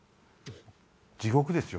地獄ですよ。